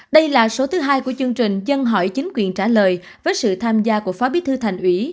đây là số thứ hai của chương trình dân hỏi chính quyền trả lời với sự tham gia của phó bí thư thành ủy